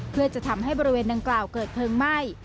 เพื่อจะทำให้บริเวณดังกล่าวเกิดเพลิงไหม้